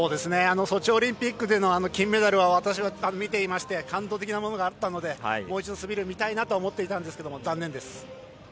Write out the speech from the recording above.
ソチオリンピックでの金メダルは私は見ていまして感動的なものがあったのでもう一度滑りを見たいと思っていたので残念です。